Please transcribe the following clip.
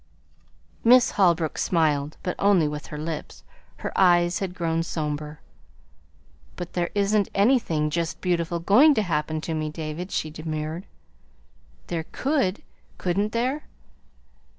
Miss Holbrook smiled, but only with her lips, Her eyes had grown somber. "But there isn't anything 'just beautiful' going to happen to me, David," she demurred. "There could, couldn't there?"